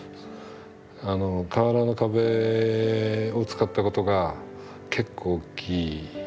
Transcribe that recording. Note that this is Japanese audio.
瓦の壁を使ったことが結構大きい。